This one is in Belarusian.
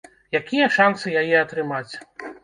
Якія шанцы яе атрымаць?